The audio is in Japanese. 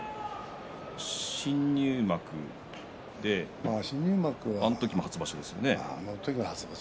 新入幕であの時も初場所ですね。